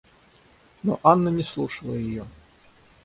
Но Анна не слушала ее.